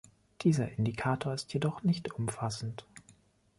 Dieser Indikator ist jedoch nicht umfassend.